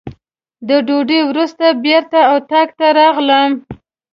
د ډوډۍ وروسته بېرته اتاق ته راغلم.